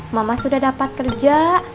mama sudah dapat kerja